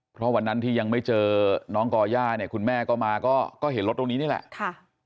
เพราะวันนั้นที่ยังไม่เจอน้องก่อย่าเนี่ยคุณแม่ก็มาก็เห็นรถตรงนี้นี่แหละค่ะ